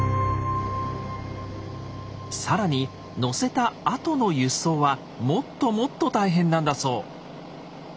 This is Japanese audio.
更に乗せたあとの輸送はもっともっと大変なんだそう。